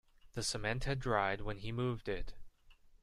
The cement had dried when he moved it.